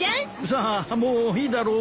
さあもういいだろう。